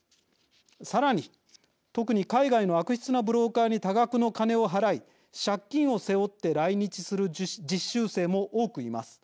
さらに、特に海外の悪質なブローカーに多額の金を払い借金を背負って来日する実習生も多くいます。